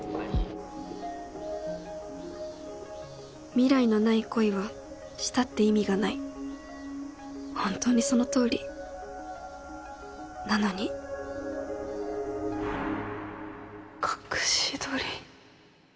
未来のない恋はしたって意味がないホントにその通りなのに隠し撮り？